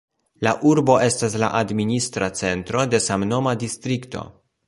La urbo estas la administra centro de samnoma distrikto.